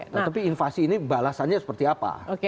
tetapi invasi ini balasannya seperti apa